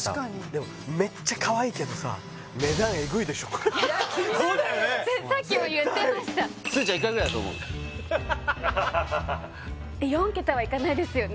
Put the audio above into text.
でもメッチャかわいいけどさそうだよね絶対さっきも言ってましたすずちゃん４桁はいかないですよね？